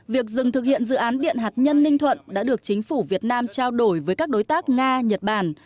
việc dừng thực hiện dự án điện hạt nhân ninh thuận đã được chính phủ việt nam trao đổi với các đối tác nga nhật bản